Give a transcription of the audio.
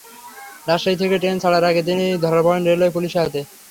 রাজশাহী থেকে ট্রেন ছাড়ার আগে তিনি ধরা পড়লেন রেলওয়ে পুলিশের হাতে।